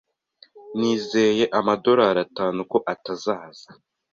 Nizeye amadorari atanu ko atazaza.